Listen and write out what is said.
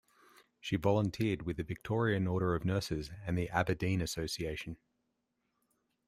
She volunteered with the Victorian Order of Nurses and the Aberdeen Association.